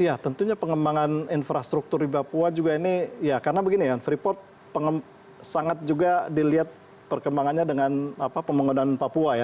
ya tentunya pengembangan infrastruktur di papua juga ini ya karena begini ya freeport sangat juga dilihat perkembangannya dengan pembangunan papua ya